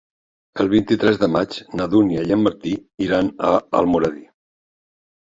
El vint-i-tres de maig na Dúnia i en Martí iran a Almoradí.